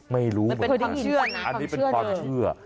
ไม่รู้อันนี้เป็นความเชื่อ